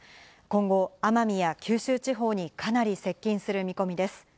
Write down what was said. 今後、奄美や九州地方にかなり接近する見込みです。